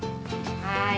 はい。